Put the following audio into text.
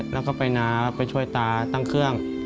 แล้วก็ไปนาไปช่วยตาตั้งเครื่อง